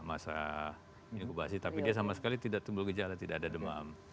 masa inkubasi tapi dia sama sekali tidak tumbuh gejala tidak ada demam